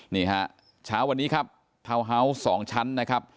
นี่ฮะเช้าวันนี้ครับทาวน์ฮาวส์๒ชั้นนะครับ